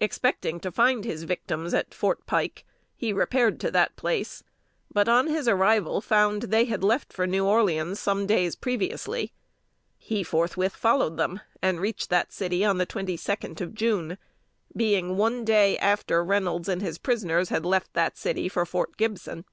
Expecting to find his victims at Fort Pike, he repaired to that place; but on his arrival found they had left for New Orleans some days previously. He forthwith followed them, and reached that city on the twenty second of June, being one day after Reynolds and his prisoners had left that city for Fort Gibson.